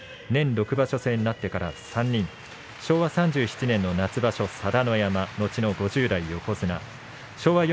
年６場所制になってから昭和３７年の夏場所の佐田の山後の５０代横綱。